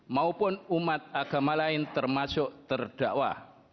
maupun umat agama lain termasuk terdakwa